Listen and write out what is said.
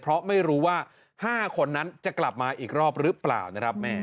เพราะไม่รู้ว่า๕คนนั้นจะกลับมาอีกรอบหรือเปล่านะครับ